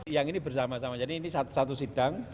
yang ini bersama sama jadi ini satu sidang